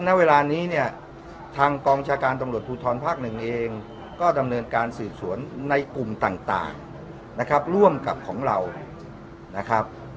ณเวลานี้เนี่ยทางกองชาการตำรวจภูทรภาคหนึ่งเองก็ดำเนินการสืบสวนในกลุ่มต่างนะครับร่วมกับของเรานะครับ